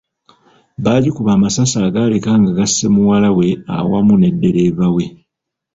BAagikuba amasasi agaaleka nga gasse muwala we awamu ne ddereeva we.